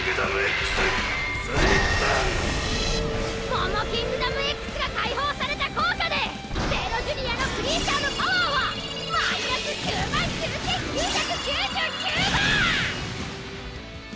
モモキングダムＸが解放された効果でゼーロジュニアのクリーチャーのパワーはマイナス９９，９９９だ！